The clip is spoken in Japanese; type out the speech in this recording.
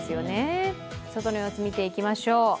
外の様子見ていきましょう。